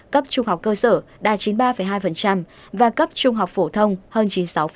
cấp trung học cơ sở đạt chín mươi ba hai và cấp trung học phổ thông hơn chín mươi sáu